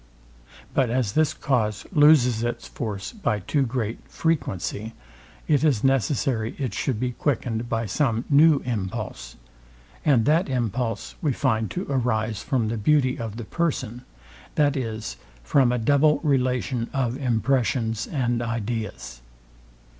But as this cause loses its force by too great frequency, it is necessary it should be quickened by some new impulse; and that impulse we find to arise from the beauty of the person; that is, from a double relation of impressions and ideas.